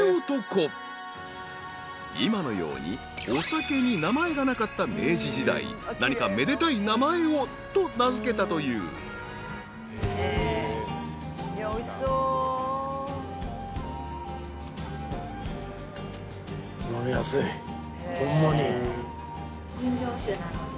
［今のようにお酒に名前がなかった明治時代何かめでたい名前をと名付けたという］ホンマに。